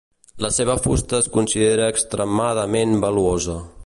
La seva fusta es considera extremadament valuosa.